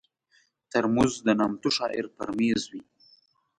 ترموز د نامتو شاعر پر مېز وي.